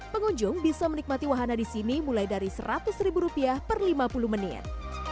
pengunjung bisa menikmati wahana di sini mulai dari seratus ribu rupiah per lima puluh menit